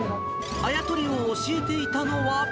あや取りを教えていたのは。